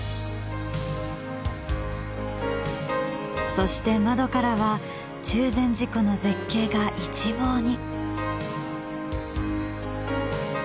そして窓からは中禅寺湖の絶景が一望に。